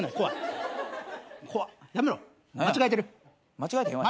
間違えてへんわ。